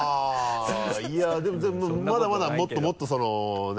いやでもまだまだもっともっと何？